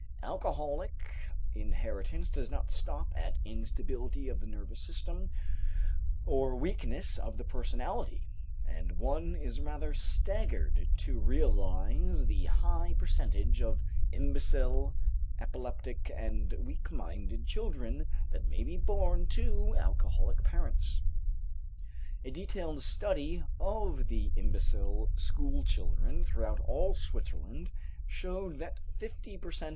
Alcoholic inheritance does not stop at instability of the nervous system or weakness of the personality, and one is rather staggered to realize the high percentage of imbecile, epileptic and weak minded children that may be born to alcoholic parents. A detailed study of the imbecile school children throughout all Switzerland showed that fifty per cent.